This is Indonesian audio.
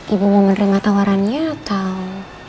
ibu mau menerima tawarannya atau